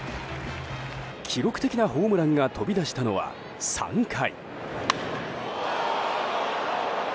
記録的なホームランが飛び出したのは３回。